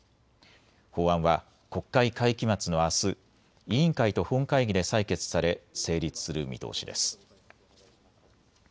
法案は国会会期末のあす委員会と本会議で採決され成立する見通しです。